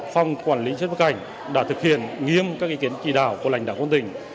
phòng quản lý xuất nhập cảnh đã thực hiện nghiêm các ý kiến chỉ đạo của lãnh đạo quân tỉnh